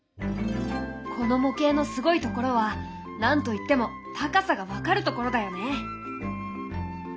この模型のすごいところは何と言っても高さが分かるところだよね。